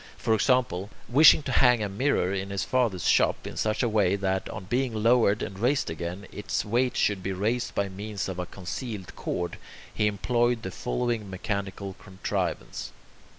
For example, wishing to hang a mirror in his father's shop in such a way that, on being lowered and raised again, its weight should be raised by means of a concealed cord, he employed the following mechanical contrivance.